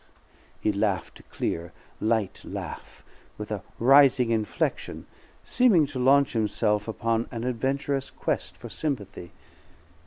He laughed a clear, light laugh with a rising inflection, seeming to launch himself upon an adventurous quest for sympathy.